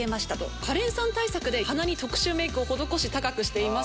カレンさん対策で鼻に特殊メイクを施し高くしています。